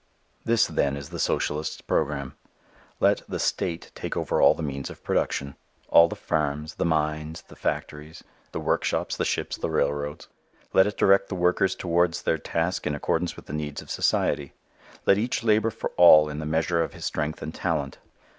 This, then, is the socialist's program. Let "the state" take over all the means of production all the farms, the mines, the factories, the workshops, the ships, the railroads. Let it direct the workers towards their task in accordance with the needs of society. Let each labor for all in the measure of his strength and talent.